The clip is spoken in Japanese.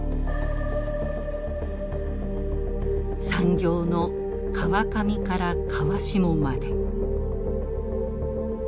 産業の川上から川下まで。